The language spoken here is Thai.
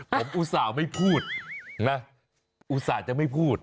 ผมอุตส่าห์ไม่พูดนะอุตส่าห์จะไม่พูด